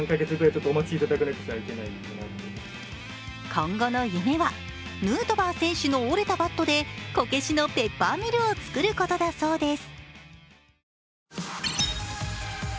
今後の夢はヌートバー選手の折れたバットでこけしのペッパーミルを作ることだそうです。